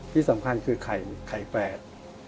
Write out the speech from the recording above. ที่สำคัญคือไข่แฝด